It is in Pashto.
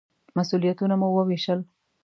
مسوولیتونه مو ووېشل.